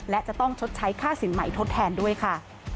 และจะต้องชดใช้ค่าสินใหม่ทดแทนด้วยค่ะ